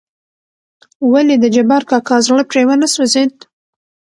ولې دجبار کاکا زړه پرې ونه سوزېد .